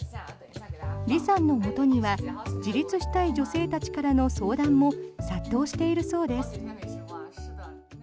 リさんのもとには自立したい女性たちからの相談も殺到しているそうです。